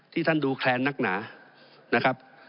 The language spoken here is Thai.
ที่ท่านดูแคลนนักหนา